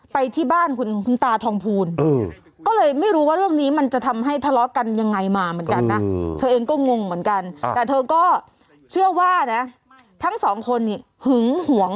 ไปที่บ้านคุณตาทองพูน